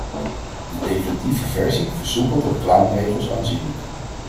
De definitieve versie versoepelt de reclameregels aanzienlijk.